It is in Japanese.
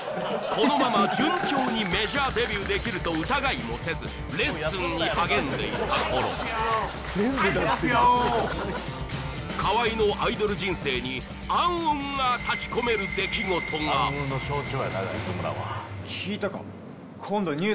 このまま順調にメジャーデビューできると疑いもせずレッスンに励んでいたはいてますよー河合のアイドル人生に暗雲がたちこめるできごとが聞いたか？